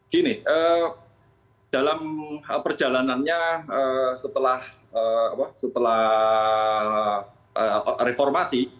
gini dalam perjalanannya setelah reformasi